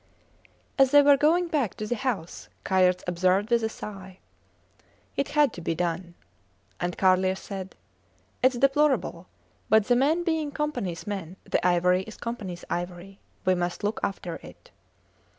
As they were going back to the house Kayerts observed with a sigh: It had to be done. And Carlier said: Its deplorable, but, the men being Companys men the ivory is Companys ivory. We must look after it.